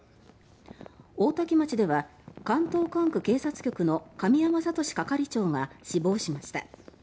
大多喜町では関東管区警察局の神山智志係長が死亡しました。